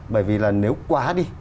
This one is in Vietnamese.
bởi vì là nếu quá đi